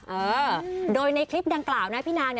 เออโดยในคลิปดังกล่าวนะพี่นาง